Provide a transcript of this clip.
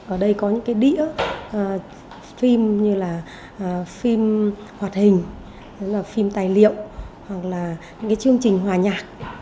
ở đây có những cái đĩa phim như là phim hoạt hình như là phim tài liệu hoặc là những cái chương trình hòa nhạc